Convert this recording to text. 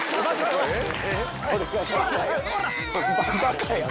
バカやん。